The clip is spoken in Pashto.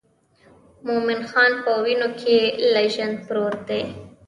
مومن خان په وینو کې لژند پروت دی.